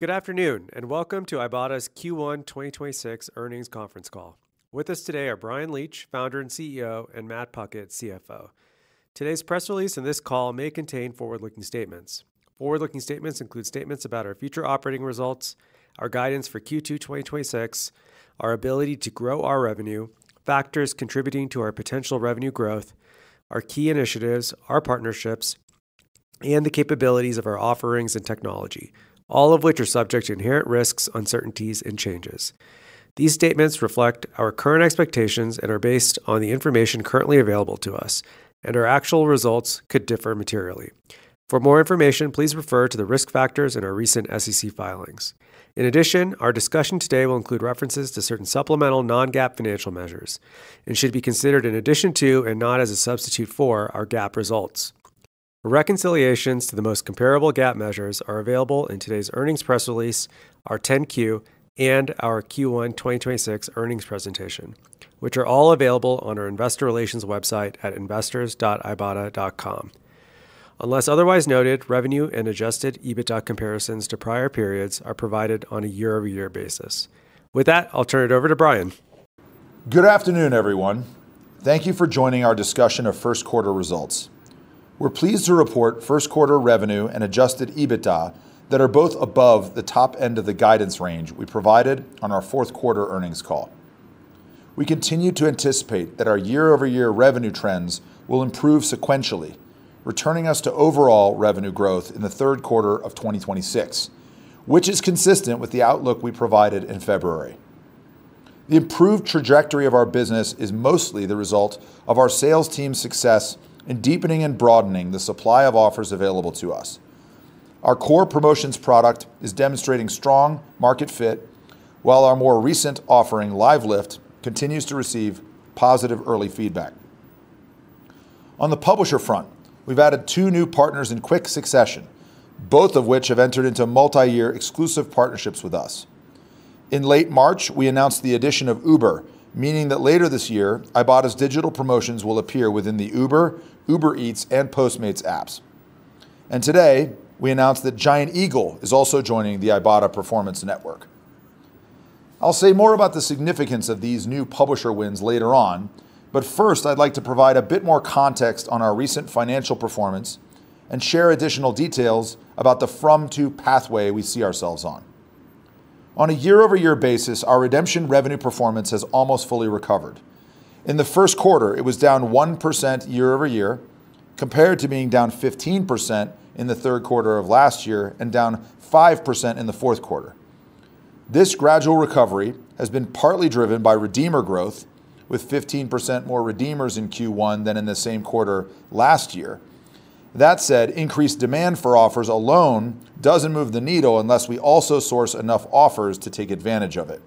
Good afternoon, welcome to Ibotta's Q1 2026 earnings conference call. With us today are Bryan Leach, Founder and CEO, and Matt Puckett, CFO. Today's press release and this call may contain forward-looking statements. Forward-looking statements include statements about our future operating results, our guidance for Q2 2026, our ability to grow our revenue, factors contributing to our potential revenue growth, our key initiatives, our partnerships, and the capabilities of our offerings and technology, all of which are subject to inherent risks, uncertainties, and changes. These statements reflect our current expectations and are based on the information currently available to us, and our actual results could differ materially. For more information, please refer to the risk factors in our recent SEC filings. In addition, our discussion today will include references to certain supplemental non-GAAP financial measures and should be considered in addition to and not as a substitute for our GAAP results. Reconciliations to the most comparable GAAP measures are available in today's earnings press release, our 10-Q, and our Q1 2026 earnings presentation, which are all available on our investor relations website at investors.ibotta.com. Unless otherwise noted, revenue and adjusted EBITDA comparisons to prior periods are provided on a year-over-year basis. With that, I'll turn it over to Bryan. Good afternoon, everyone. Thank you for joining our discussion of first quarter results. We're pleased to report first quarter revenue and adjusted EBITDA that are both above the top end of the guidance range we provided on our fourth quarter earnings call. We continue to anticipate that our year-over-year revenue trends will improve sequentially, returning us to overall revenue growth in the third quarter of 2026, which is consistent with the outlook we provided in February. The improved trajectory of our business is mostly the result of our sales team's success in deepening and broadening the supply of offers available to us. Our core promotions product is demonstrating strong market fit, while our more recent offering, LiveLift, continues to receive positive early feedback. On the publisher front, we've added two new partners in quick succession, both of which have entered into multi-year exclusive partnerships with us. In late March, we announced the addition of Uber, meaning that later this year, Ibotta's digital promotions will appear within the Uber, Uber Eats, and Postmates apps. Today, we announced that Giant Eagle is also joining the Ibotta Performance Network. I'll say more about the significance of these new publisher wins later on, but first, I'd like to provide a bit more context on our recent financial performance and share additional details about the from-to pathway we see ourselves on. On a year-over-year basis, our redemption revenue performance has almost fully recovered. In the first quarter, it was down 1% year-over-year, compared to being down 15% in the third quarter of last year and down 5% in the fourth quarter. This gradual recovery has been partly driven by redeemer growth, with 15% more redeemers in Q1 than in the same quarter last year. That said, increased demand for offers alone doesn't move the needle unless we also source enough offers to take advantage of it.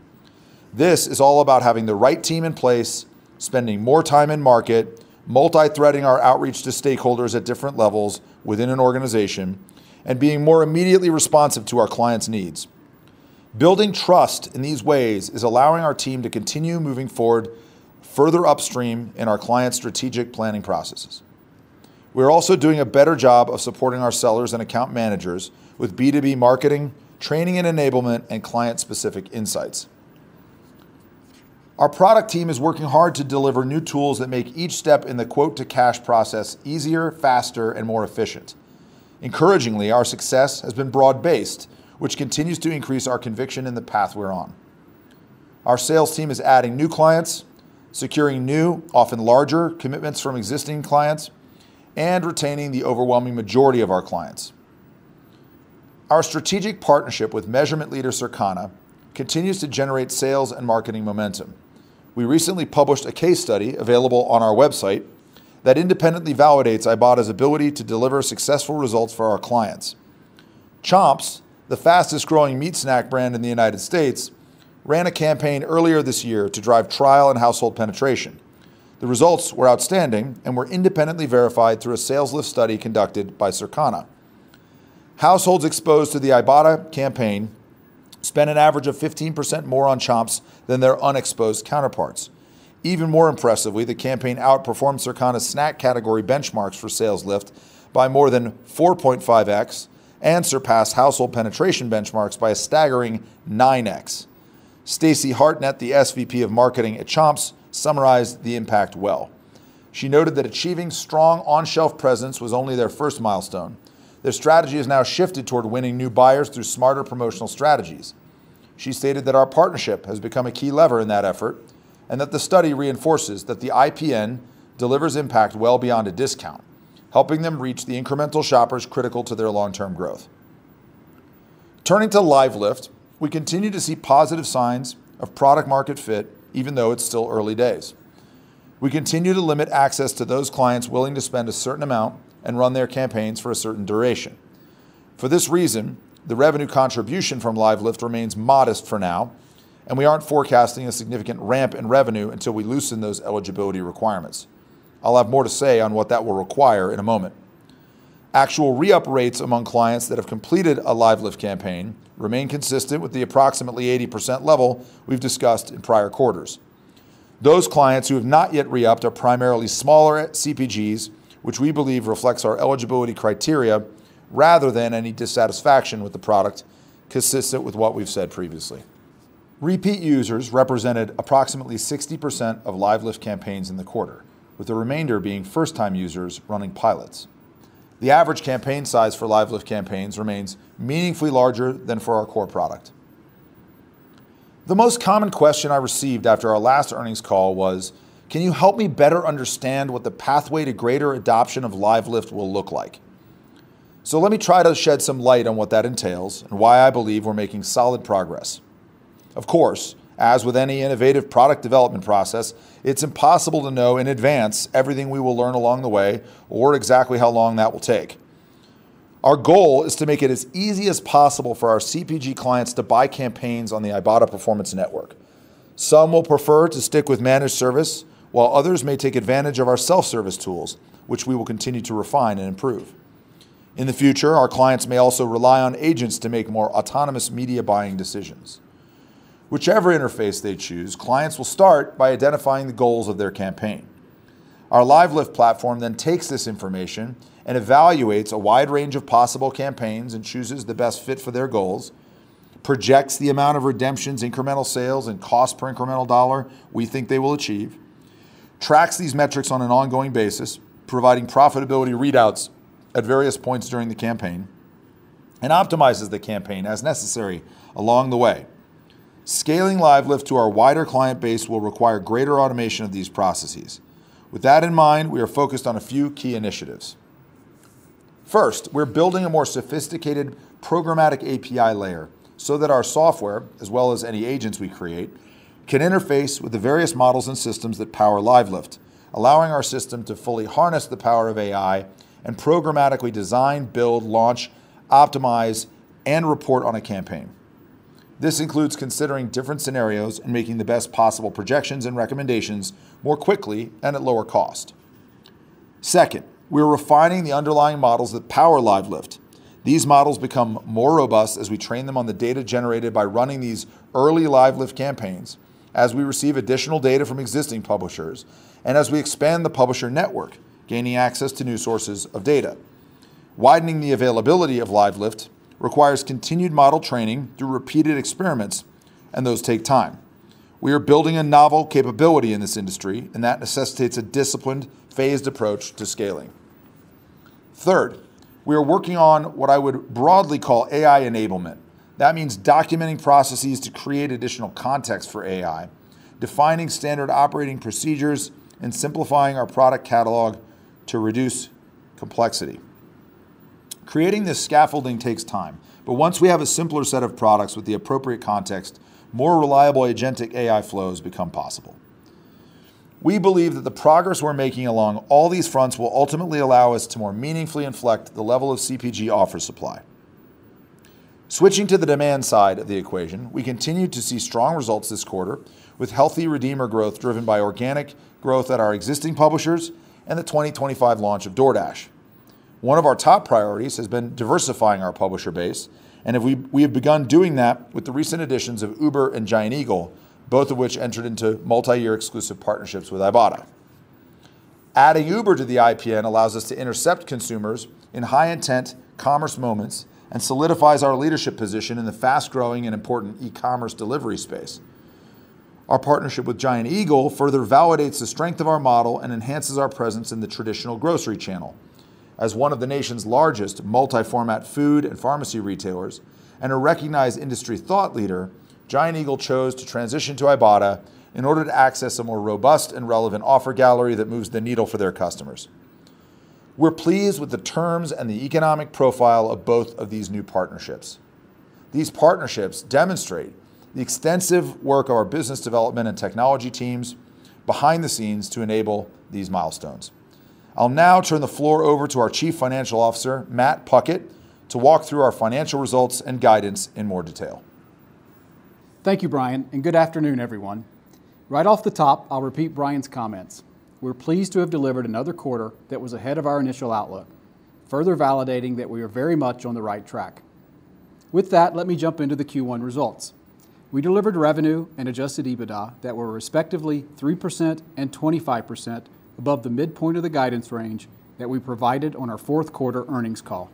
This is all about having the right team in place, spending more time in market, multi-threading our outreach to stakeholders at different levels within an organization, and being more immediately responsive to our clients' needs. Building trust in these ways is allowing our team to continue moving forward further upstream in our clients' strategic planning processes. We are also doing a better job of supporting our sellers and account managers with B2B marketing, training and enablement, and client-specific insights. Our product team is working hard to deliver new tools that make each step in the quote-to-cash process easier, faster, and more efficient. Encouragingly, our success has been broad-based, which continues to increase our conviction in the path we're on. Our sales team is adding new clients, securing new, often larger commitments from existing clients, and retaining the overwhelming majority of our clients. Our strategic partnership with measurement leader Circana continues to generate sales and marketing momentum. We recently published a case study available on our website that independently validates Ibotta's ability to deliver successful results for our clients. Chomps, the fastest-growing meat snack brand in the United States, ran a campaign earlier this year to drive trial and household penetration. The results were outstanding and were independently verified through a sales lift study conducted by Circana. Households exposed to the Ibotta campaign spent an average of 15% more on Chomps than their unexposed counterparts. Even more impressively, the campaign outperformed Circana's snack category benchmarks for sales lift by more than 4.5x and surpassed household penetration benchmarks by a staggering 9x. Stacey Hartnett, the SVP of marketing at Chomps, summarized the impact well. She noted that achieving strong on-shelf presence was only their first milestone. Their strategy has now shifted toward winning new buyers through smarter promotional strategies. She stated that our partnership has become a key lever in that effort and that the study reinforces that the IPN delivers impact well beyond a discount, helping them reach the incremental shoppers critical to their long-term growth. Turning to LiveLift, we continue to see positive signs of product market fit even though it's still early days. We continue to limit access to those clients willing to spend a certain amount and run their campaigns for a certain duration. For this reason, the revenue contribution from LiveLift remains modest for now, and we aren't forecasting a significant ramp in revenue until we loosen those eligibility requirements. I'll have more to say on what that will require in a moment. Actual re-up rates among clients that have completed a LiveLift campaign remain consistent with the approximately 80% level we've discussed in prior quarters. Those clients who have not yet re-upped are primarily smaller CPGs, which we believe reflects our eligibility criteria rather than any dissatisfaction with the product consistent with what we've said previously. Repeat users represented approximately 60% of LiveLift campaigns in the quarter, with the remainder being first-time users running pilots. The average campaign size for LiveLift campaigns remains meaningfully larger than for our core product. The most common question I received after our last earnings call was, "Can you help me better understand what the pathway to greater adoption of LiveLift will look like?" Let me try to shed some light on what that entails and why I believe we're making solid progress. Of course, as with any innovative product development process, it's impossible to know in advance everything we will learn along the way or exactly how long that will take. Our goal is to make it as easy as possible for our CPG clients to buy campaigns on the Ibotta Performance Network. Some will prefer to stick with managed service, while others may take advantage of our self-service tools, which we will continue to refine and improve. In the future, our clients may also rely on agents to make more autonomous media buying decisions. Whichever interface they choose, clients will start by identifying the goals of their campaign. Our LiveLift platform then takes this information and evaluates a wide range of possible campaigns and chooses the best fit for their goals, projects the amount of redemptions, incremental sales, and cost per incremental dollar we think they will achieve, tracks these metrics on an ongoing basis, providing profitability readouts at various points during the campaign, and optimizes the campaign as necessary along the way. Scaling LiveLift to our wider client base will require greater automation of these processes. With that in mind, we are focused on a few key initiatives. First, we're building a more sophisticated programmatic API layer so that our software, as well as any agents we create, can interface with the various models and systems that power LiveLift, allowing our system to fully harness the power of AI and programmatically design, build, launch, optimize, and report on a campaign. This includes considering different scenarios and making the best possible projections and recommendations more quickly and at lower cost. Second, we are refining the underlying models that power LiveLift. These models become more robust as we train them on the data generated by running these early LiveLift campaigns, as we receive additional data from existing publishers, and as we expand the publisher network, gaining access to new sources of data. Widening the availability of LiveLift requires continued model training through repeated experiments. Those take time. We are building a novel capability in this industry. That necessitates a disciplined, phased approach to scaling. Third, we are working on what I would broadly call AI enablement. That means documenting processes to create additional context for AI, defining standard operating procedures, and simplifying our product catalog to reduce complexity. Creating this scaffolding takes time. Once we have a simpler set of products with the appropriate context, more reliable agentic AI flows become possible. We believe that the progress we're making along all these fronts will ultimately allow us to more meaningfully inflect the level of CPG offer supply. Switching to the demand side of the equation, we continue to see strong results this quarter with healthy redeemer growth driven by organic growth at our existing publishers and the 2025 launch of DoorDash. One of our top priorities has been diversifying our publisher base, and we have begun doing that with the recent additions of Uber and Giant Eagle, both of which entered into multi-year exclusive partnerships with Ibotta. Adding Uber to the IPN allows us to intercept consumers in high-intent commerce moments and solidifies our leadership position in the fast-growing and important e-commerce delivery space. Our partnership with Giant Eagle further validates the strength of our model and enhances our presence in the traditional grocery channel. As one of the nation's largest multi-format food and pharmacy retailers and a recognized industry thought leader, Giant Eagle chose to transition to Ibotta in order to access a more robust and relevant offer gallery that moves the needle for their customers. We're pleased with the terms and the economic profile of both of these new partnerships. These partnerships demonstrate the extensive work of our business development and technology teams behind the scenes to enable these milestones. I'll now turn the floor over to our Chief Financial Officer, Matt Puckett, to walk through our financial results and guidance in more detail. Thank you, Bryan, and good afternoon, everyone. Right off the top, I'll repeat Bryan's comments. We're pleased to have delivered another quarter that was ahead of our initial outlook, further validating that we are very much on the right track. With that, let me jump into the Q1 results. We delivered revenue and adjusted EBITDA that were respectively 3% and 25% above the midpoint of the guidance range that we provided on our fourth quarter earnings call.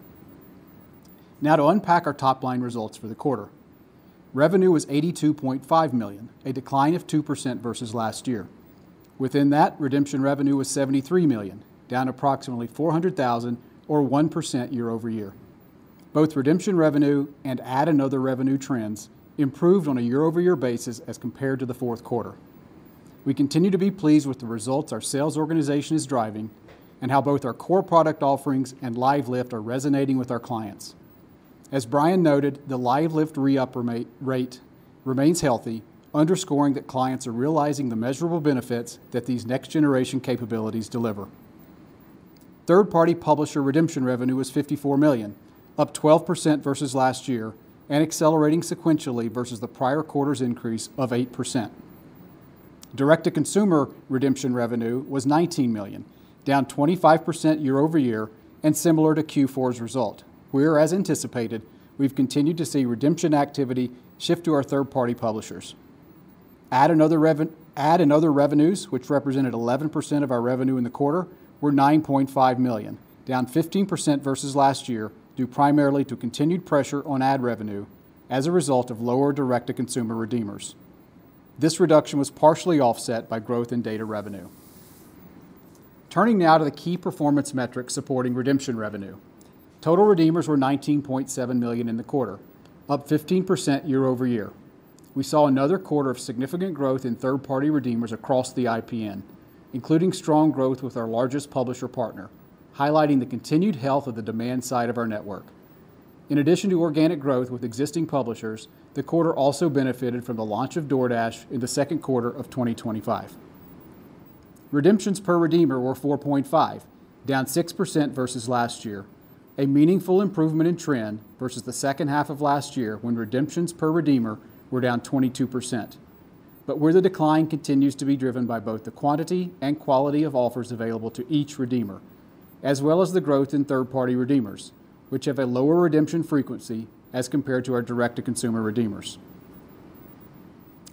To unpack our top-line results for the quarter. Revenue was $82.5 million, a decline of 2% versus last year. Within that, redemption revenue was $73 million, down approximately $400,000 or 1% year-over-year. Both redemption revenue and ad and other revenue trends improved on a year-over-year basis as compared to the fourth quarter. We continue to be pleased with the results our sales organization is driving and how both our core product offerings and LiveLift are resonating with our clients. As Bryan noted, the LiveLift re-up rate remains healthy, underscoring that clients are realizing the measurable benefits that these next-generation capabilities deliver. Third-party publisher redemption revenue was $54 million, up 12% versus last year and accelerating sequentially versus the prior quarter's increase of 8%. Direct-to-consumer redemption revenue was $19 million. Down 25% year-over-year and similar to Q4's result, where as anticipated, we've continued to see redemption activity shift to our third-party publishers. Ad and other revenues, which represented 11% of our revenue in the quarter, were $9.5 million, down 15% versus last year, due primarily to continued pressure on ad revenue as a result of lower direct-to-consumer redeemers. This reduction was partially offset by growth in data revenue. Turning now to the key performance metrics supporting redemption revenue. Total redeemers were $19.7 million in the quarter, up 15% year-over-year. We saw another quarter of significant growth in third-party redeemers across the IPN, including strong growth with our largest publisher partner, highlighting the continued health of the demand side of our network. In addition to organic growth with existing publishers, the quarter also benefited from the launch of DoorDash in the second quarter of 2025. Redemptions per redeemer were 4.5%, down 6% versus last year, a meaningful improvement in trend versus the second half of last year when redemptions per redeemer were down 22%. Where the decline continues to be driven by both the quantity and quality of offers available to each redeemer, as well as the growth in third-party redeemers, which have a lower redemption frequency as compared to our direct-to-consumer redeemers.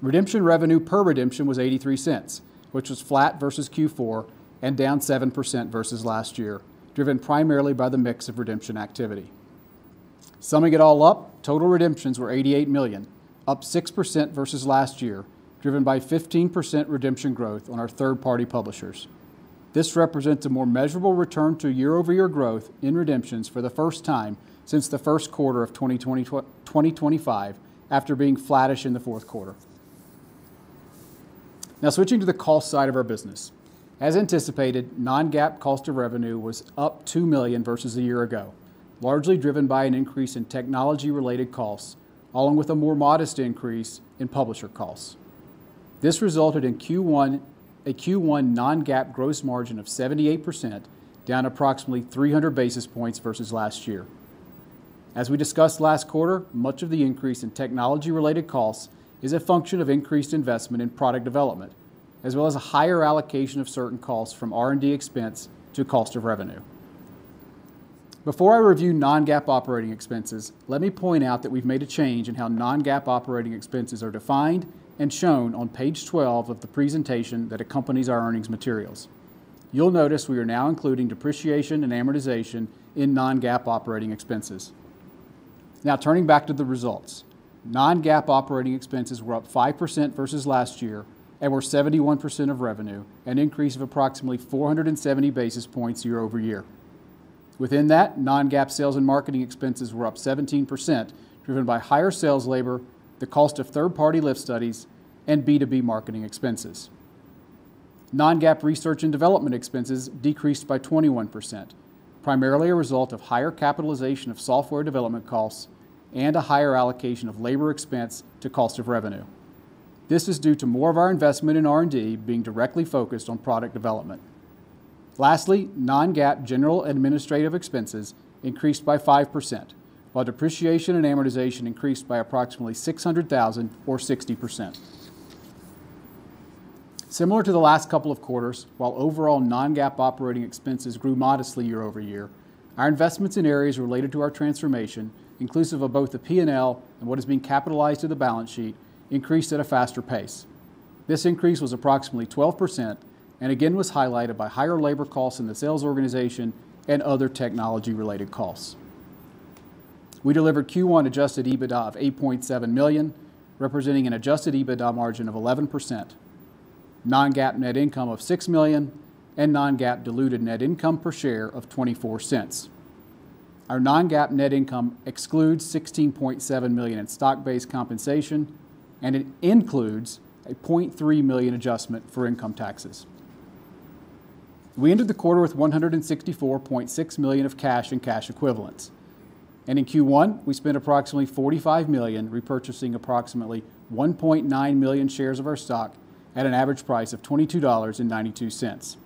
Redemption revenue per redemption was $0.83, which was flat versus Q4 and down 7% versus last year, driven primarily by the mix of redemption activity. Summing it all up, total redemptions were 88 million, up 6% versus last year, driven by 15% redemption growth on our third-party publishers. This represents a more measurable return to year-over-year growth in redemptions for the first time since the first quarter of 2025 after being flattish in the fourth quarter. Switching to the cost side of our business. As anticipated, non-GAAP cost of revenue was up $2 million versus a year ago, largely driven by an increase in technology-related costs, along with a more modest increase in publisher costs. This resulted in Q1, a Q1 non-GAAP gross margin of 78%, down approximately 300 basis points versus last year. As we discussed last quarter, much of the increase in technology-related costs is a function of increased investment in product development, as well as a higher allocation of certain costs from R&D expense to cost of revenue. Before I review non-GAAP operating expenses, let me point out that we've made a change in how non-GAAP operating expenses are defined and shown on page 12 of the presentation that accompanies our earnings materials. Turning back to the results. Non-GAAP operating expenses were up 5% versus last year and were 71% of revenue, an increase of approximately 470 basis points year-over-year. Within that, non-GAAP sales and marketing expenses were up 17%, driven by higher sales labor, the cost of third-party lift studies, and B2B marketing expenses. Non-GAAP research and development expenses decreased by 21%, primarily a result of higher capitalization of software development costs and a higher allocation of labor expense to cost of revenue. This is due to more of our investment in R&D being directly focused on product development. Lastly, non-GAAP general and administrative expenses increased by 5%, while depreciation and amortization increased by approximately $600,000 or 60%. Similar to the last couple of quarters, while overall non-GAAP operating expenses grew modestly year-over-year, our investments in areas related to our transformation, inclusive of both the P&L and what is being capitalized to the balance sheet, increased at a faster pace. This increase was approximately 12% and again was highlighted by higher labor costs in the sales organization and other technology-related costs. We delivered Q1 adjusted EBITDA of $8.7 million, representing an adjusted EBITDA margin of 11%, non-GAAP net income of $6 million, and non-GAAP diluted net income per share of $0.24. Our non-GAAP net income excludes $16.7 million in stock-based compensation, and it includes a $0.3 million adjustment for income taxes. We ended the quarter with $164.6 million of cash and cash equivalents. In Q1, we spent approximately $45 million repurchasing approximately 1.9 million shares of our stock at an average price of $22.92.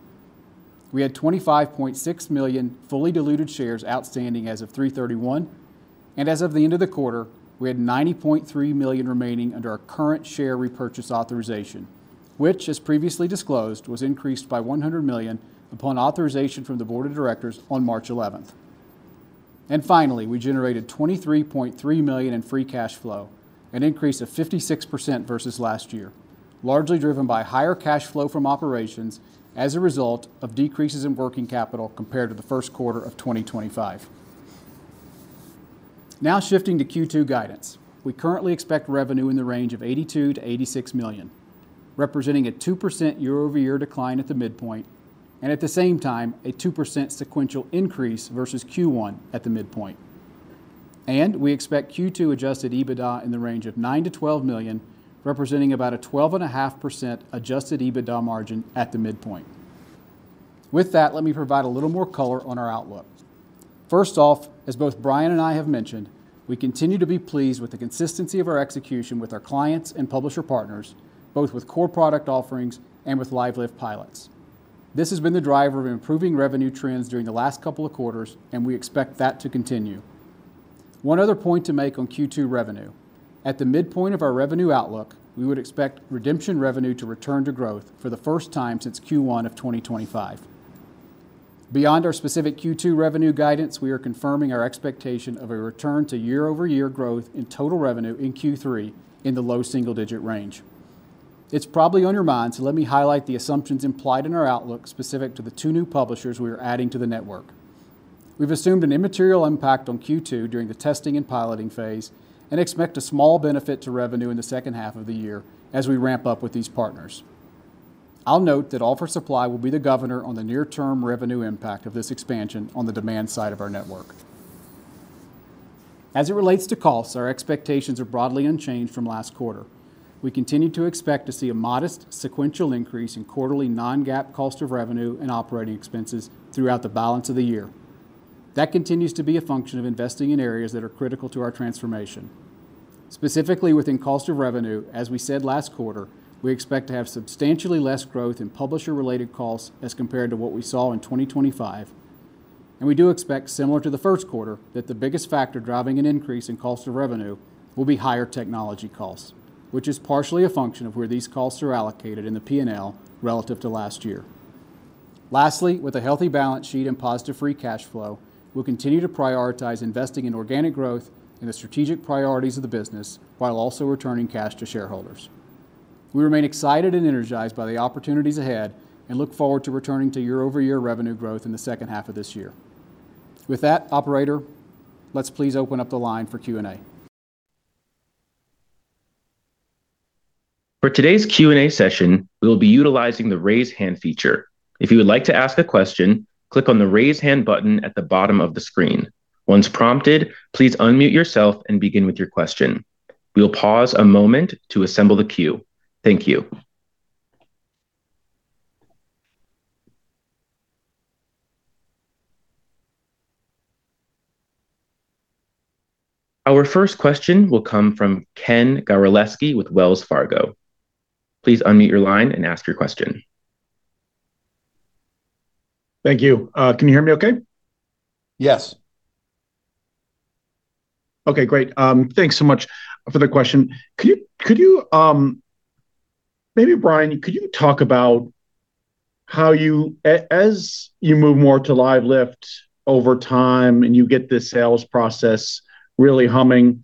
We had 25.6 million fully diluted shares outstanding as of 3/31, and as of the end of the quarter, we had $90.3 million remaining under our current share repurchase authorization, which, as previously disclosed, was increased by $100 million upon authorization from the board of directors on March 11th. Finally, we generated $23.3 million in free cash flow, an increase of 56% versus last year, largely driven by higher cash flow from operations as a result of decreases in working capital compared to the first quarter of 2025. Now shifting to Q2 guidance. We currently expect revenue in the range of $82 million-$86 million, representing a 2% year-over-year decline at the midpoint. At the same time, a 2% sequential increase versus Q1 at the midpoint. We expect Q2 adjusted EBITDA in the range of $9 million-$12 million, representing about a 12.5% adjusted EBITDA margin at the midpoint. With that, let me provide a little more color on our outlook. First off, as both Bryan and I have mentioned, we continue to be pleased with the consistency of our execution with our clients and publisher partners, both with core product offerings and with LiveLift pilots. This has been the driver of improving revenue trends during the last couple of quarters, and we expect that to continue. One other point to make on Q2 revenue. At the midpoint of our revenue outlook, we would expect redemption revenue to return to growth for the first time since Q1 of 2025. Beyond our specific Q2 revenue guidance, we are confirming our expectation of a return to year-over-year growth in total revenue in Q3 in the low single digit range. It's probably on your mind, so let me highlight the assumptions implied in our outlook specific to the two new publishers we are adding to the network. We've assumed an immaterial impact on Q2 during the testing and piloting phase, and expect a small benefit to revenue in the second half of the year as we ramp up with these partners. I'll note that offer supply will be the governor on the near term revenue impact of this expansion on the demand side of our network. As it relates to costs, our expectations are broadly unchanged from last quarter. We continue to expect to see a modest sequential increase in quarterly non-GAAP cost of revenue and operating expenses throughout the balance of the year. That continues to be a function of investing in areas that are critical to our transformation. Specifically within cost of revenue, as we said last quarter, we expect to have substantially less growth in publisher-related costs as compared to what we saw in 2025, and we do expect similar to the first quarter, that the biggest factor driving an increase in cost of revenue will be higher technology costs, which is partially a function of where these costs are allocated in the P&L relative to last year. Lastly, with a healthy balance sheet and positive free cash flow, we'll continue to prioritize investing in organic growth and the strategic priorities of the business, while also returning cash to shareholders. We remain excited and energized by the opportunities ahead, and look forward to returning to year-over-year revenue growth in the second half of this year. With that, operator, let's please open up the line for Q&A. For today's Q&A session, we will be utilizing the raise hand feature. If you would like to ask a question, click on the raise hand button at the bottom of the screen. Once prompted, please unmute yourself and begin with your question. We will pause a moment to assemble the queue. Thank you. Our first question will come from Ken Gawrelski with Wells Fargo. Please unmute your line and ask your question. Thank you. Can you hear me okay? Yes. Okay, great. thanks so much for the question. Could you maybe Bryan, could you talk about how as you move more to LiveLift over time and you get the sales process really humming,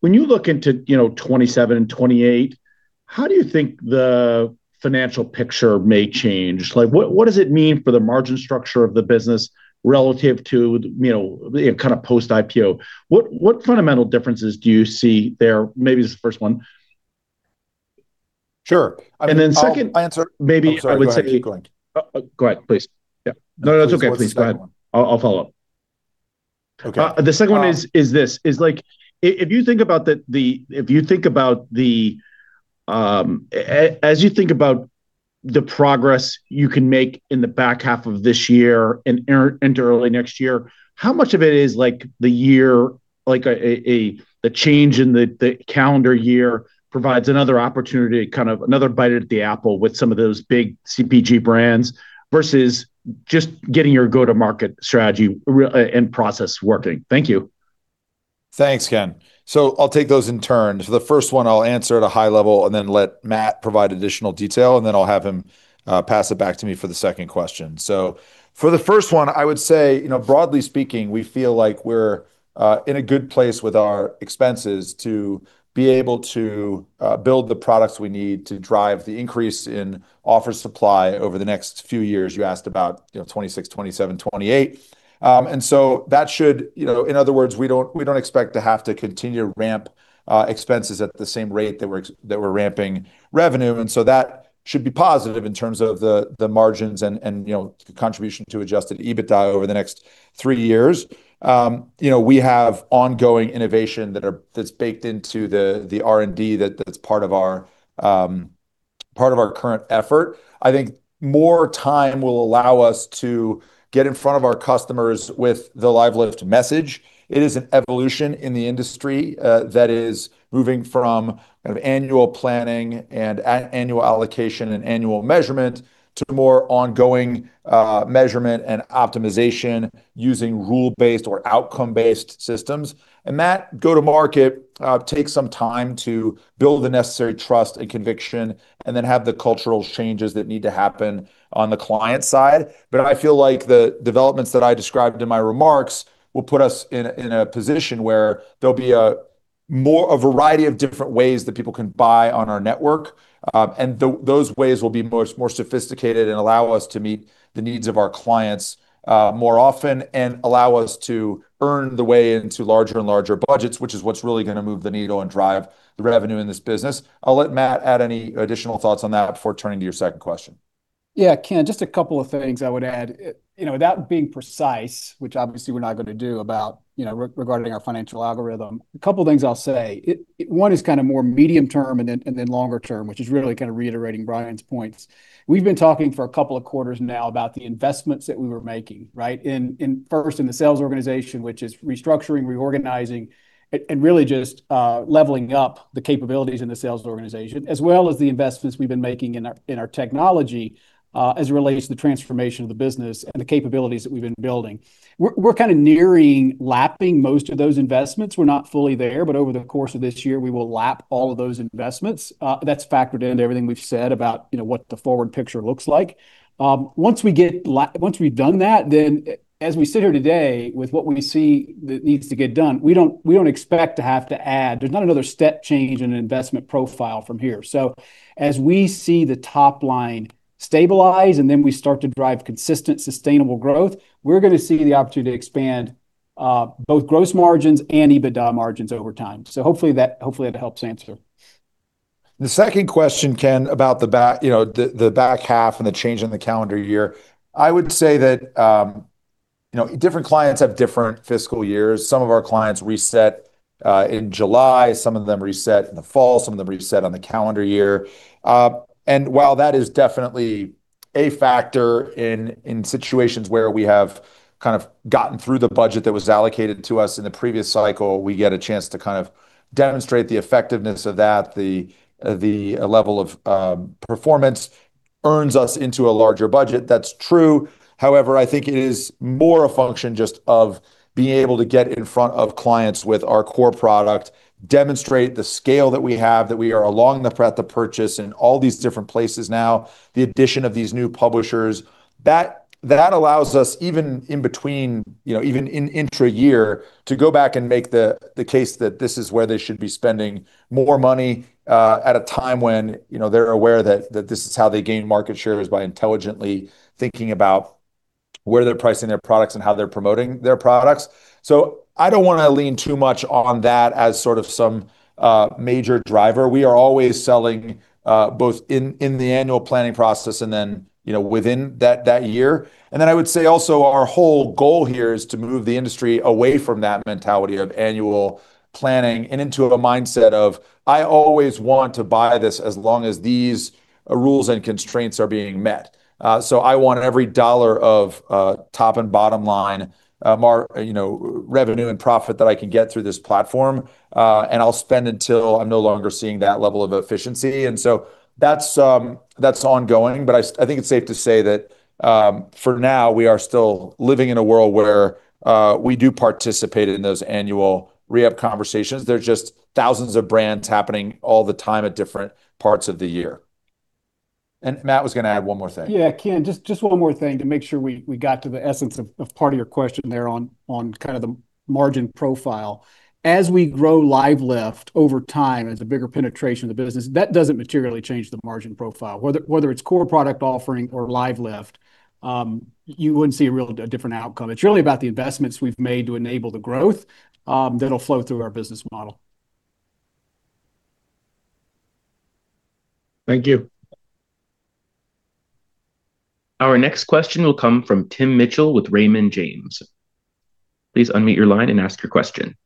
when you look into, you know, 2027 and 2028, how do you think the financial picture may change? Like, what does it mean for the margin structure of the business relative to, you know, the kind of post-IPO? What fundamental differences do you see there? Maybe as the first one. Sure. Second. I'll answer. Maybe I would say I'm sorry. Go ahead, keep going. Go ahead, please. Yeah. No, no, that's okay. Please go ahead. What's the second one? I'll follow up. Okay. The second one is this. Like, as you think about the progress you can make in the back half of this year and early next year, how much of it is, like the year, like a change in the calendar year provides another opportunity, kind of another bite at the apple with some of those big CPG brands versus just getting your go-to-market strategy in process working? Thank you. Thanks, Ken. I'll take those in turn. For the first one, I'll answer at a high level and then let Matt provide additional detail, and then I'll have him pass it back to me for the second question. For the first one, I would say, you know, broadly speaking, we feel like we're in a good place with our expenses to be able to build the products we need to drive the increase in offer supply over the next few years. You asked about, you know, 2026, 2027, 2028. That should, you know, in other words, we don't expect to have to continue to ramp expenses at the same rate that we're ramping revenue. That should be positive in terms of the margins and, you know, contribution to adjusted EBITDA over the next three years. You know, we have ongoing innovation that's baked into the R&D that's part of our current effort. I think more time will allow us to get in front of our customers with the LiveLift message. It is an evolution in the industry that is moving from kind of annual planning and annual allocation and annual measurement to more ongoing measurement and optimization using rule-based or outcome-based systems. That go-to-market takes some time to build the necessary trust and conviction, and then have the cultural changes that need to happen on the client side. I feel like the developments that I described in my remarks will put us in a position where there'll be a variety of different ways that people can buy on our network. And those ways will be more sophisticated and allow us to meet the needs of our clients more often and allow us to earn the way into larger and larger budgets, which is what's really gonna move the needle and drive the revenue in this business. I'll let Matt add any additional thoughts on that before turning to your second question. Yeah, Ken, just a couple of things I would add. You know, without being precise, which obviously we're not gonna do about, you know, regarding our financial algorithm, a couple of things I'll say. One is kind of more medium term and then longer term, which is really kind of reiterating Bryan's points. We've been talking for a couple of quarters now about the investments that we were making, right? In first in the sales organization, which is restructuring, reorganizing and really just leveling up the capabilities in the sales organization, as well as the investments we've been making in our technology, as it relates to the transformation of the business and the capabilities that we've been building. We're kinda nearing lapping most of those investments. We're not fully there. Over the course of this year, we will lap all of those investments. That's factored into everything we've said about, you know, what the forward picture looks like. Once we've done that, as we sit here today with what we see that needs to get done, we don't expect to have to add. There's not another step change in investment profile from here. As we see the top line stabilize, and then we start to drive consistent sustainable growth, we're gonna see the opportunity to expand, both gross margins and EBITDA margins over time. Hopefully that helps answer. The second question, Ken, about you know, the back half and the change in the calendar year. I would say that, you know, different clients have different fiscal years. Some of our clients reset in July, some of them reset in the fall, some of them reset on the calendar year. While that is definitely a factor in situations where we have kind of gotten through the budget that was allocated to us in the previous cycle, we get a chance to kind of demonstrate the effectiveness of that, the level of performance earns us into a larger budget. That's true. However, I think it is more a function just of being able to get in front of clients with our core product, demonstrate the scale that we have, that we are along the path of purchase in all these different places now, the addition of these new publishers. That allows us even in between, you know, even in intra year to go back and make the case that this is where they should be spending more money at a time when, you know, they're aware that this is how they gain market shares by intelligently thinking about where they're pricing their products and how they're promoting their products. I don't wanna lean too much on that as sort of some major driver. We are always selling both in the annual planning process and then, you know, within that year. I would say also our whole goal here is to move the industry away from that mentality of annual planning and into a mindset of, "I always want to buy this as long as these rules and constraints are being met." I want every dollar of top and bottom line, you know, revenue and profit that I can get through this platform, and I'll spend until I'm no longer seeing that level of efficiency. That's ongoing, but I think it's safe to say that for now we are still living in a world where we do participate in those annual re-up conversations. There are just thousands of brands happening all the time at different parts of the year. Matt was gonna add one more thing. Yeah, Ken, just one more thing to make sure we got to the essence of part of your question there on kind of the margin profile. As we grow LiveLift over time as a bigger penetration of the business, that doesn't materially change the margin profile. Whether it's core product offering or LiveLift, you wouldn't see a real, a different outcome. It's really about the investments we've made to enable the growth that'll flow through our business model. Thank you. Our next question will come from Tim Mitchell with Raymond James. Please unmute your line and ask your question.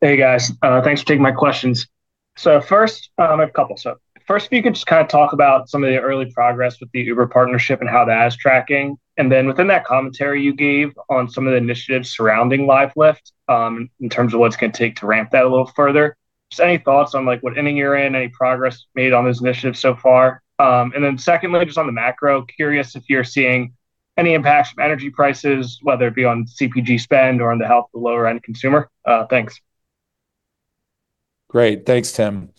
Hey, guys. Thanks for taking my questions. First, I have a couple. First, if you could just kind of talk about some of the early progress with the Uber partnership and how that is tracking, and then within that commentary you gave on some of the initiatives surrounding LiveLift, in terms of what it's going to take to ramp that a little further. Just any thoughts on, like, what inning you're in, any progress made on this initiative so far? Secondly, just on the macro, curious if you're seeing any impacts from energy prices, whether it be on CPG spend or on the health of the lower-end consumer. Thanks. Great. Thanks, Tim.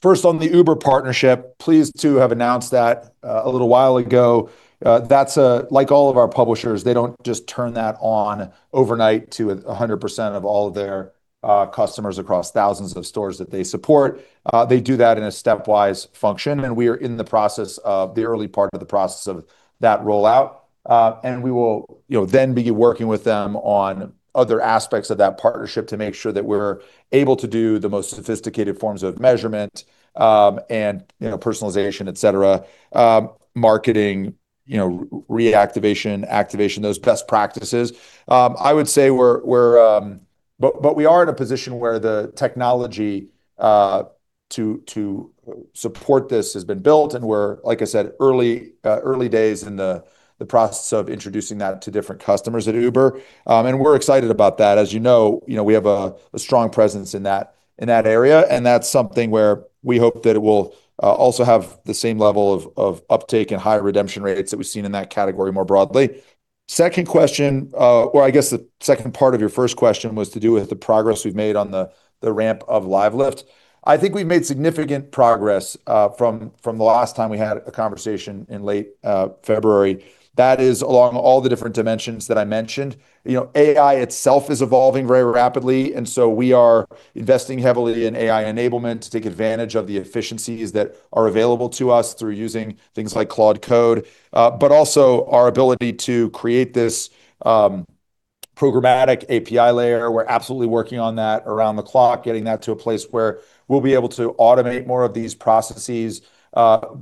First on the Uber partnership, pleased to have announced that a little while ago. That's like all of our publishers, they don't just turn that on overnight to 100% of all of their customers across thousands of stores that they support. They do that in a stepwise function, and we are in the process of the early part of the process of that rollout. We will, you know, then be working with them on other aspects of that partnership to make sure that we're able to do the most sophisticated forms of measurement, and, you know, personalization, et cetera, marketing, you know, reactivation, activation, those best practices. I would say we're in a position where the technology to support this has been built, and we're, like I said, early days in the process of introducing that to different customers at Uber. We're excited about that. As you know, you know, we have a strong presence in that area, and that's something where we hope that it will also have the same level of uptake and high redemption rates that we've seen in that category more broadly. Second question, or I guess the second part of your first question was to do with the progress we've made on the ramp of LiveLift. I think we've made significant progress from the last time we had a conversation in late February. That is along all the different dimensions that I mentioned. You know, AI itself is evolving very rapidly. We are investing heavily in AI enablement to take advantage of the efficiencies that are available to us through using things like Claude Code. But also our ability to create this programmatic API layer. We're absolutely working on that around the clock, getting that to a place where we'll be able to automate more of these processes,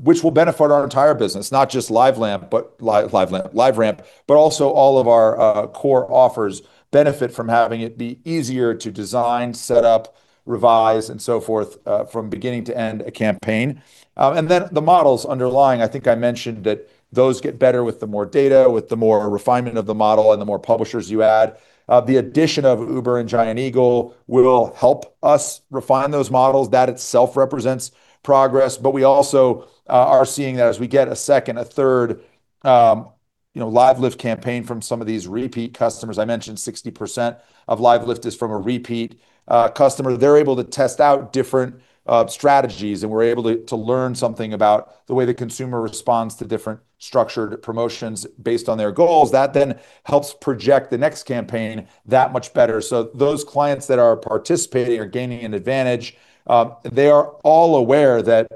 which will benefit our entire business, not just LiveLift, but LiveRamp, but also all of our core offers benefit from having it be easier to design, set up-revise and so forth, from beginning to end a campaign. And then the models underlying, I think I mentioned that those get better with the more data, with the more refinement of the model and the more publishers you add. The addition of Uber and Giant Eagle will help us refine those models. That itself represents progress. We also are seeing that as we get a second, a third, you know, LiveLift campaign from some of these repeat customers. I mentioned 60% of LiveLift is from a repeat customer. They're able to test out different strategies, and we're able to learn something about the way the consumer responds to different structured promotions based on their goals. That then helps project the next campaign that much better. Those clients that are participating are gaining an advantage. They are all aware that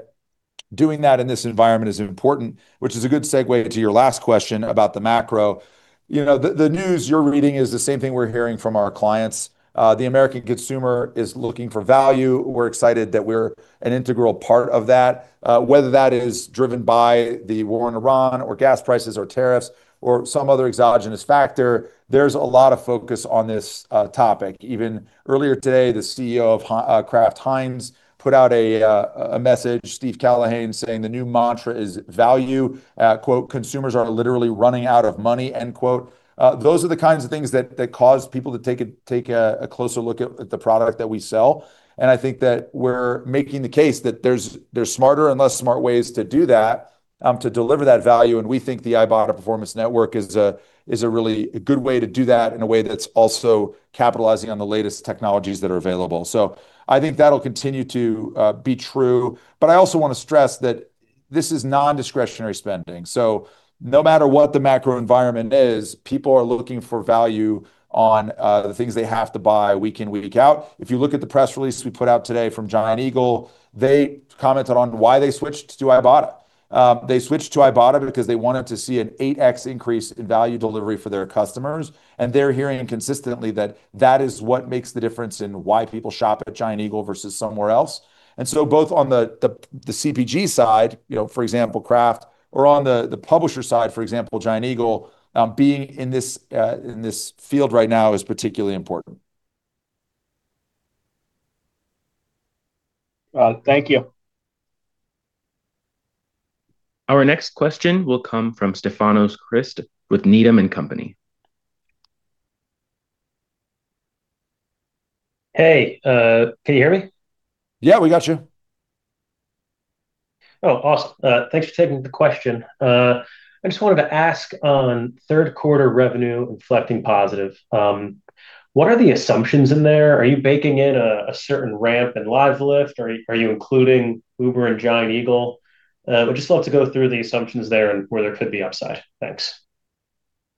doing that in this environment is important, which is a good segue to your last question about the macro. You know, the news you're reading is the same thing we're hearing from our clients. The American consumer is looking for value. We're excited that we're an integral part of that. Whether that is driven by the war in Iran or gas prices or tariffs or some other exogenous factor, there's a lot of focus on this topic. Even earlier today, the CEO of Kraft Heinz put out a message, Steve Cahillane, saying the new mantra is value. Quote, "Consumers are literally running out of money." End quote. Those are the kinds of things that cause people to take a closer look at the product that we sell. I think that we're making the case that there's smarter and less smart ways to do that, to deliver that value, and we think the Ibotta Performance Network is a really good way to do that in a way that's also capitalizing on the latest technologies that are available. I think that'll continue to be true. I also want to stress that this is non-discretionary spending. No matter what the macro environment is, people are looking for value on the things they have to buy week in, week out. If you look at the press release we put out today from Giant Eagle, they commented on why they switched to Ibotta. They switched to Ibotta because they wanted to see an 8x increase in value delivery for their customers, and they're hearing consistently that that is what makes the difference in why people shop at Giant Eagle versus somewhere else. Both on the CPG side, you know, for example, Kraft, or on the publisher side, for example, Giant Eagle, being in this field right now is particularly important. Well, thank you. Our next question will come from Stefanos Crist with Needham & Company. Hey, can you hear me? Yeah, we got you. Oh, awesome. Thanks for taking the question. I just wanted to ask on third quarter revenue inflecting positive, what are the assumptions in there? Are you baking in a certain ramp in LiveLift? Are you including Uber and Giant Eagle? I would just love to go through the assumptions there and where there could be upside. Thanks.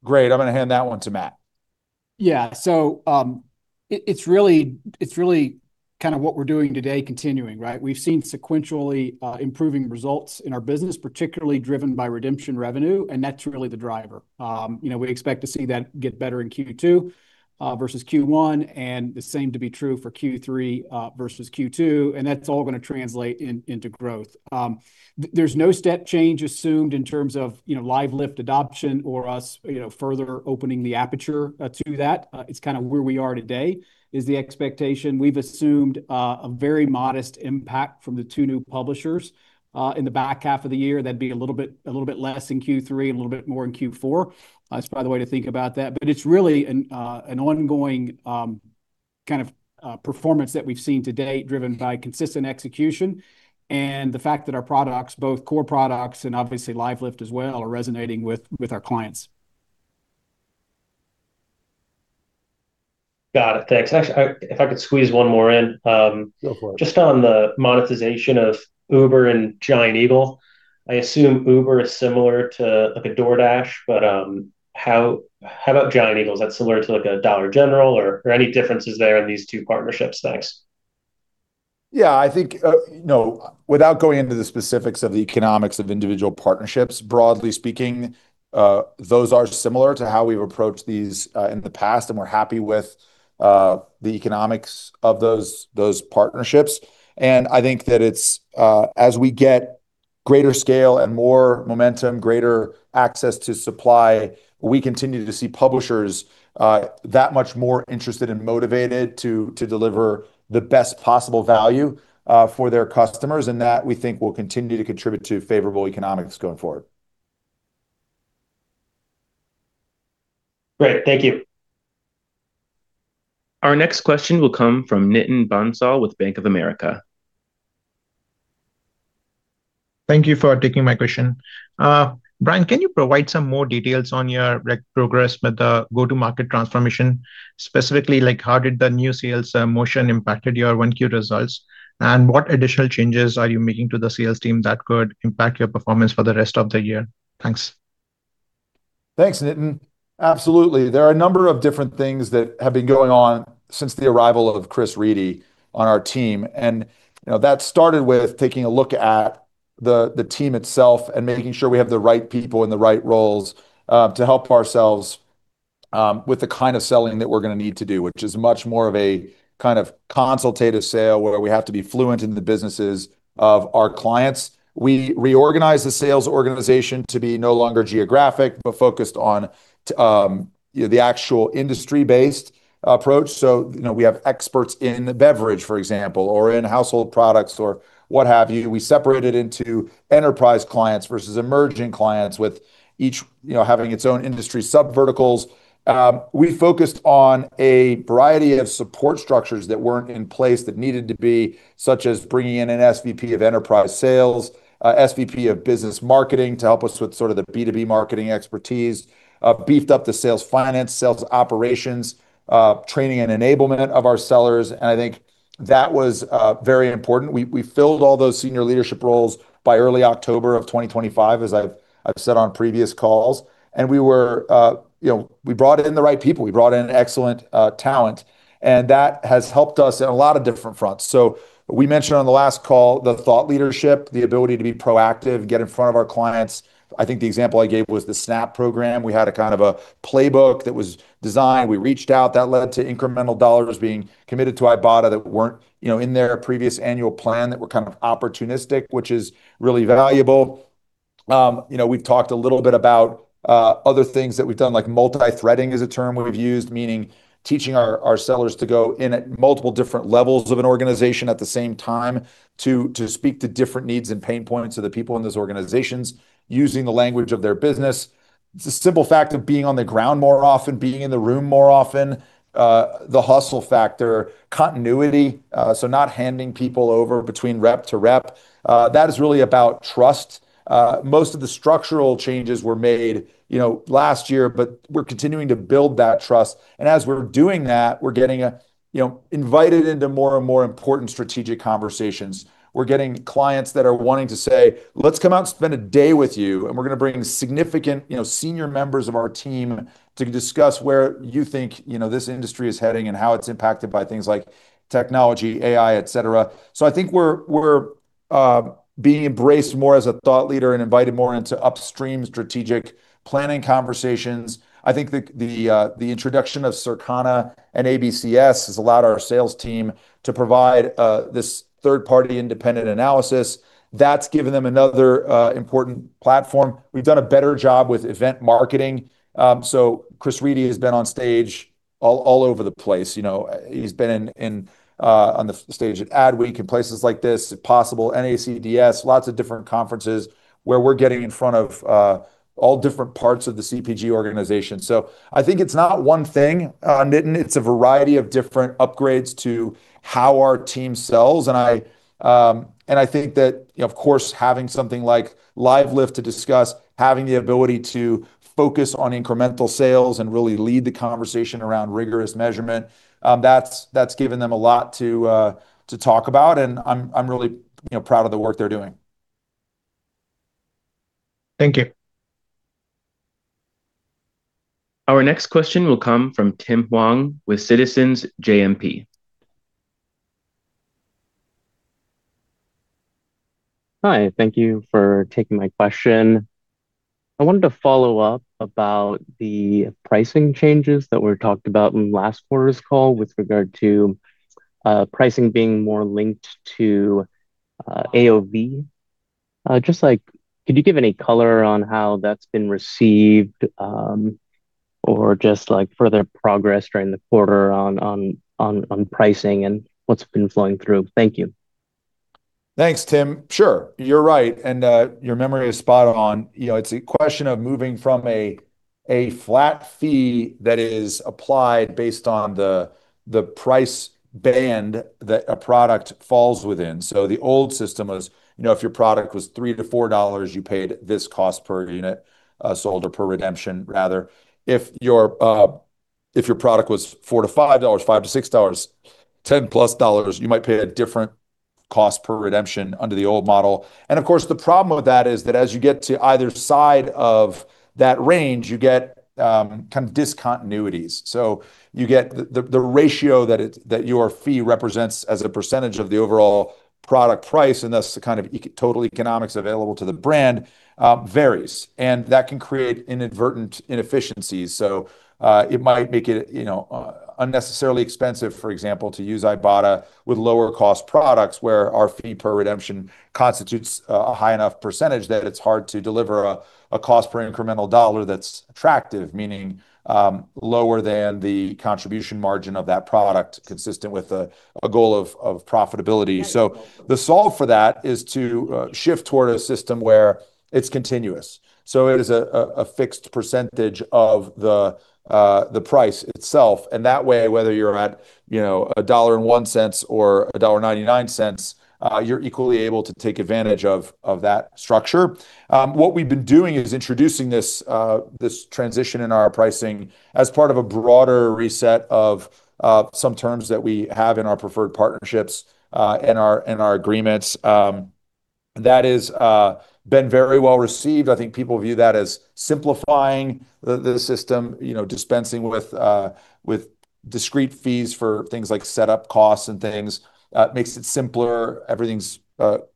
Great. I'm gonna hand that one to Matt. It's really kind of what we're doing today continuing, right? We've seen sequentially improving results in our business, particularly driven by redemption revenue, and that's really the driver. You know, we expect to see that get better in Q2 versus Q1, and the same to be true for Q3 versus Q2, and that's all gonna translate into growth. There's no step change assumed in terms of, you know, LiveLift adoption or us, you know, further opening the aperture to that. It's kind of where we are today is the expectation. We've assumed a very modest impact from the two new publishers in the back half of the year. That'd be a little bit less in Q3 and a little bit more in Q4. That's, by the way, to think about that. It's really an ongoing kind of performance that we've seen to date driven by consistent execution and the fact that our products, both core products and obviously LiveLift as well, are resonating with our clients. Got it. Thanks. Actually, if I could squeeze one more in. Go for it. Just on the monetization of Uber and Giant Eagle, I assume Uber is similar to like a DoorDash, but how about Giant Eagle? Is that similar to like a Dollar General or any differences there in these two partnerships? Thanks. Yeah, I think, you know, without going into the specifics of the economics of individual partnerships, broadly speaking, those are similar to how we've approached these in the past, and we're happy with the economics of those partnerships. I think that it's, as we get greater scale and more momentum, greater access to supply, we continue to see publishers that much more interested and motivated to deliver the best possible value for their customers, and that, we think, will continue to contribute to favorable economics going forward. Great. Thank you. Our next question will come from Nitin Bansal with Bank of America. Thank you for taking my question. Bryan, can you provide some more details on your, like, progress with the go-to-market transformation? Specifically, like, how did the new sales motion impacted your 1Q results, and what additional changes are you making to the sales team that could impact your performance for the rest of the year? Thanks. Thanks, Nitin. Absolutely. There are a number of different things that have been going on since the arrival of Chris Riedy on our team. You know, that started with taking a look at the team itself and making sure we have the right people in the right roles to help ourselves with the kind of selling that we're gonna need to do, which is much more of a kind of consultative sale, where we have to be fluent in the businesses of our clients. We reorganized the sales organization to be no longer geographic, but focused on, you know, the actual industry-based approach. You know, we have experts in the beverage, for example, or in household products or what have you. We separated into enterprise clients versus emerging clients with each, you know, having its own industry subverticals. We focused on a variety of support structures that weren't in place that needed to be, such as bringing in an SVP of Enterprise Sales, SVP of Business Marketing to help us with sort of the B2B marketing expertise, beefed up the sales finance, sales operations, training and enablement of our sellers, and I think that was very important. We filled all those senior leadership roles by early October of 2025 as I've said on previous calls, and we were, you know, we brought in the right people. We brought in excellent talent, and that has helped us in a lot of different fronts. We mentioned on the last call the thought leadership, the ability to be proactive, get in front of our clients. I think the example I gave was the SNAP program. We had a kind of a playbook that was designed. We reached out. That led to incremental dollars being committed to Ibotta that weren't, you know, in their previous annual plan that were kind of opportunistic, which is really valuable. You know, we've talked a little bit about other things that we've done like multi-threading is a term we've used, meaning teaching our sellers to go in at multiple different levels of an organization at the same time to speak to different needs and pain points of the people in those organizations using the language of their business. The simple fact of being on the ground more often, being in the room more often, the hustle factor, continuity, so not handing people over between rep to rep, that is really about trust. Most of the structural changes were made, you know, last year. We're continuing to build that trust. As we're doing that, we're getting, you know, invited into more and more important strategic conversations. We're getting clients that are wanting to say, "Let's come out and spend a day with you, and we're gonna bring significant, you know, senior members of our team to discuss where you think, you know, this industry is heading and how it's impacted by things like technology, AI, et cetera." I think we're being embraced more as a thought leader and invited more into upstream strategic planning conversations. I think the introduction of Circana and ABCS has allowed our sales team to provide this third-party independent analysis. That's given them another important platform. We've done a better job with event marketing. Chris Riedy has been on stage all over the place, you know. He's been in on the stage at Adweek and places like this, at Possible, NACDS, lots of different conferences where we're getting in front of all different parts of the CPG organization. I think it's not one thing, Nitin. It's a variety of different upgrades to how our team sells, and I think that, you know, of course having something like LiveLift to discuss, having the ability to focus on incremental sales and really lead the conversation around rigorous measurement, that's given them a lot to talk about, and I'm really, you know, proud of the work they're doing. Thank you. Our next question will come from Tim Juang with Citizens JMP. Hi, thank you for taking my question. I wanted to follow up about the pricing changes that were talked about in last quarter's call with regard to pricing being more linked to AOV. Just, like, could you give any color on how that's been received, or just, like, further progress during the quarter on pricing and what's been flowing through? Thank you. Thanks, Tim. Sure. You're right, your memory is spot on. You know, it's a question of moving from a flat fee that is applied based on the price band that a product falls within. The old system was, you know, if your product was $3-$4, you paid this cost per unit sold or per redemption rather. If your product was $4-$5, $5-$6, $10+ dollars, you might pay a different cost per redemption under the old model. Of course, the problem with that is that as you get to either side of that range, you get kind of discontinuities. You get the ratio that it, that your fee represents as a percentage of the overall product price, and thus the kind of total economics available to the brand, varies, and that can create inadvertent inefficiencies. It might make it, you know, unnecessarily expensive, for example, to use Ibotta with lower cost products where our fee per redemption constitutes a high enough percentage that it's hard to deliver a cost per incremental dollar that's attractive, meaning, lower than the contribution margin of that product consistent with a goal of profitability. The solve for that is to shift toward a system where it's continuous. It is a fixed percentage of the price itself, and that way, whether you're at, you know, $1.01 or $1.99, you're equally able to take advantage of that structure. What we've been doing is introducing this transition in our pricing as part of a broader reset of some terms that we have in our preferred partnerships in our agreements. That has been very well received. I think people view that as simplifying the system, you know, dispensing with discrete fees for things like setup costs and things. It makes it simpler. Everything's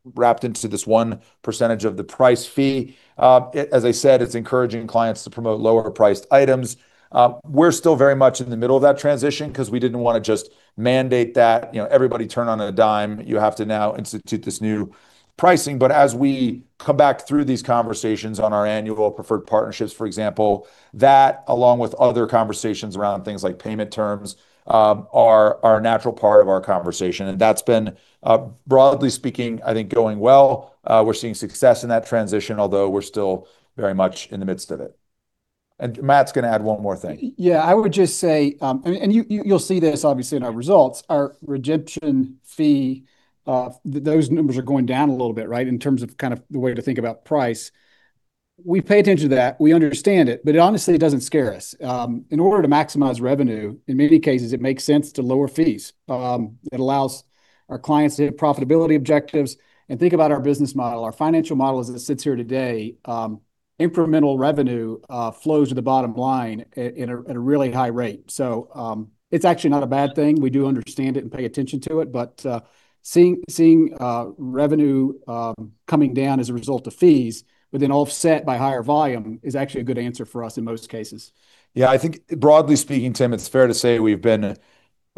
wrapped into this 1% of the price fee. As I said, it's encouraging clients to promote lower priced items. We're still very much in the middle of that transition 'cause we didn't wanna just mandate that, you know, everybody turn on a dime, you have to now institute this new pricing. As we come back through these conversations on our annual preferred partnerships, for example, that along with other conversations around things like payment terms, are a natural part of our conversation, and that's been, broadly speaking, I think going well. We're seeing success in that transition, although we're still very much in the midst of it. Matt's gonna add one more thing. Yeah, I would just say, and you'll see this obviously in our results, our redemption fee, those numbers are going down a little bit, right? In terms of kind of the way to think about price. We pay attention to that, we understand it, but honestly, it doesn't scare us. In order to maximize revenue, in many cases it makes sense to lower fees. It allows our clients to hit profitability objectives, and think about our business model. Our financial model as it sits here today, incremental revenue, flows to the bottom line at a really high rate. It's actually not a bad thing. We do understand it and pay attention to it, but, seeing revenue coming down as a result of fees but then offset by higher volume is actually a good answer for us in most cases. Yeah, I think broadly speaking, Tim, it's fair to say we've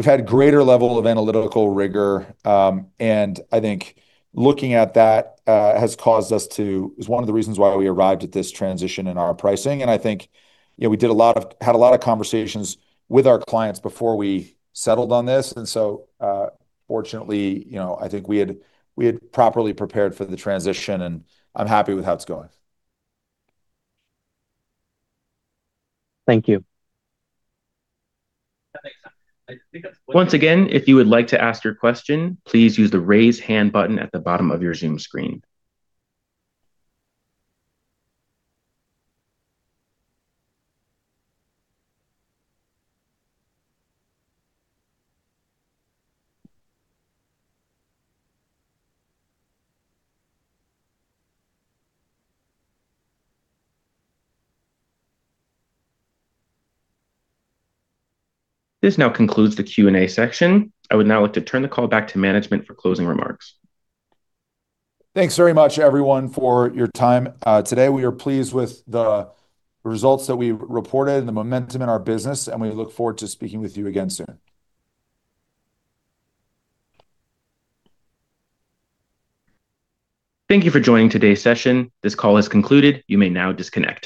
had greater level of analytical rigor, and I think looking at that has caused us to. It's one of the reasons why we arrived at this transition in our pricing, and I think, you know, we had a lot of conversations with our clients before we settled on this. Fortunately, you know, I think we had properly prepared for the transition, and I'm happy with how it's going. Thank you. Once again, if you would like to ask your question, please use the Raise Hand button at the bottom of your Zoom screen. This now concludes the Q&A section. I would now like to turn the call back to management for closing remarks. Thanks very much everyone for your time, today. We are pleased with the results that we've reported and the momentum in our business. We look forward to speaking with you again soon. Thank you for joining today's session. This call has concluded. You may now disconnect.